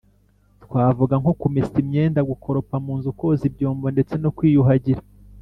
twavuga nko kumesa imyenda, gukoropa mu nzu, koza ibyombo ndetse no kwiyuhagira.